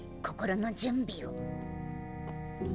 心の準備を。